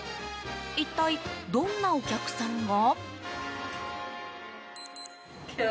一体、どんなお客さんが？